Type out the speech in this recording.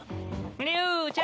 竜ちゃん！